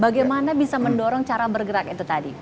bagaimana bisa mendorong cara bergerak itu tadi